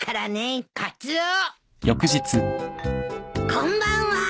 こんばんは。